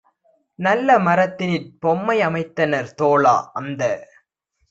நல்ல மரத்தினிற் பொம்மை அமைத்தனர் தோழா - அந்த